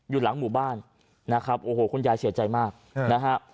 อยู่หลังหมู่บ้านนะครับโอ้โหคุณยายเสียใจมากนะฮะ